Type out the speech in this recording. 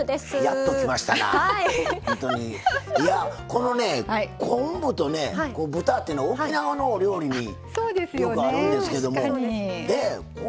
このね昆布とね豚っていうのは沖縄のお料理によくあるんですけども。